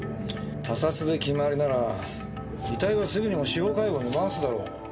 他殺で決まりなら遺体はすぐにも司法解剖に回すだろ。